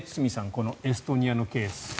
このエストニアのケース。